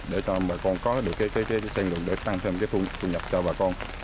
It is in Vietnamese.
để cho bà con có được sân lượng để tăng thêm thu nhập cho bà con